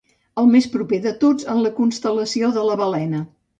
El més proper de tots en la constel·lació de la Balena.